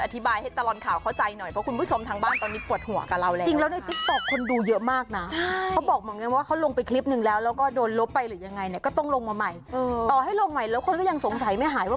ที่เขาติดต่อมาแล้วกันนะคะ